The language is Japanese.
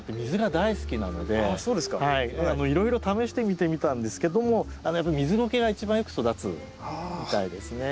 いろいろ試してみてみたんですけども水ゴケが一番よく育つみたいですね。